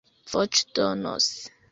voĉdonos